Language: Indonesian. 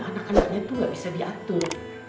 anak anaknya tuh gak bisa diatur